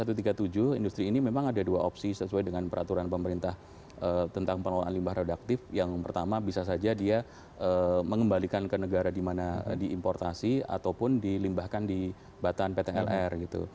satu ratus tiga puluh tujuh industri ini memang ada dua opsi sesuai dengan peraturan pemerintah tentang pengelolaan limbah radaktif yang pertama bisa saja dia mengembalikan ke negara di mana diimportasi ataupun dilimbahkan di batan pt lr gitu